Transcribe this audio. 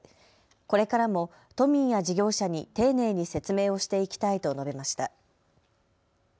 これからも都民や事業者に丁寧に説明をしていきたいと述べました。